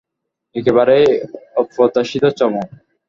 একেবারেই অপ্রত্যাশিত চমক!